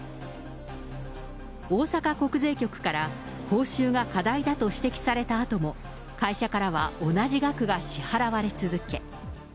大阪国税局から報酬が課題だと指摘されたあとも、会社からは同じ額が支払われ続け。